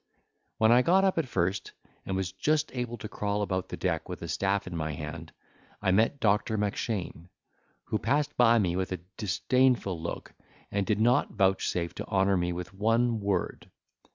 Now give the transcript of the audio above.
When I got up at first, and was just able to crawl about the deck with a staff in my hand, I met Doctor Mackshane, who passed by me with a disdainful look, and did not vouchsafe to honour me with one word.